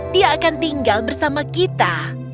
dia akan tinggal bersama kita